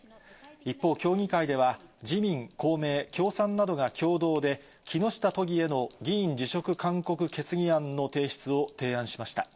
一方、協議会では、自民、公明、共産などが共同で、木下都議への議員辞職勧告決議案の提出を提案しました。